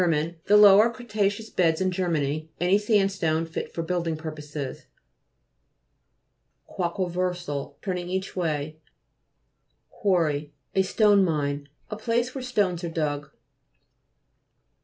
The lower cretaceous beds in Germany : any sandstone fit for building purposes. QUAQ.UAVERSAL Turning each way. QUARRY A stone mine ; a place where stones are dug.